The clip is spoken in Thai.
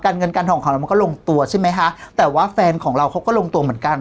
เงินการทองของเรามันก็ลงตัวใช่ไหมคะแต่ว่าแฟนของเราเขาก็ลงตัวเหมือนกัน